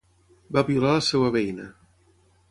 Va violar la seva veïna.